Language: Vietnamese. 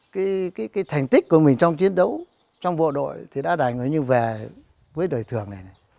cái thành tích của mình trong chiến đấu trong bộ đội thì đã đánh như về với đời thường này